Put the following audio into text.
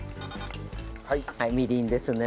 はいみりんですね。